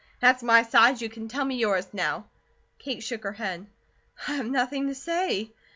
That's my side. You can tell me yours, now." Kate shook her head: "I have nothing to say."